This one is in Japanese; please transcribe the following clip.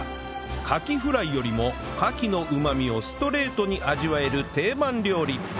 カキフライよりもカキのうまみをストレートに味わえる定番料理